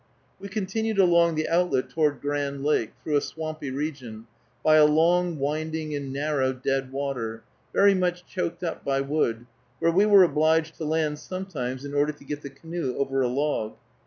We continued along the outlet toward Grand Lake, through a swampy region, by a long, winding, and narrow dead water, very much choked up by wood, where we were obliged to land sometimes in order to get the canoe over a log.